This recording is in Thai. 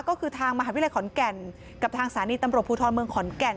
ก็คือทางมหาวิทยาลัยขอนแก่นกับทางสถานีตำรวจภูทรเมืองขอนแก่น